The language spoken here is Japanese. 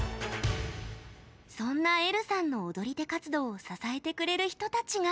そんなえるさんの踊り手活動を支えてくれる人たちが。